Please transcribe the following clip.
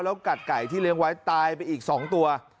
แล้วกัดไก่ที่เลี้ยงไว้ตายไปอีก๒ตัว